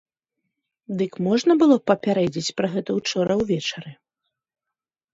Дык можна было б папярэдзіць пра гэта учора ўвечары?